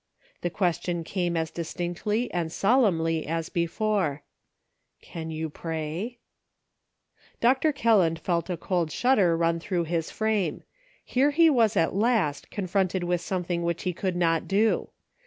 The question came as distinctly and solemnly as before :" Can you pray .''" Dr. Kelland felt a cold shudder run through his frame. Here he was at last, confronted with some thing which he could not do.